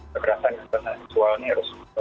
kekerasan kekerasan seksual ini harus